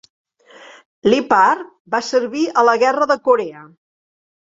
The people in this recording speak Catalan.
Leaphart va servir a la Guerra de Corea.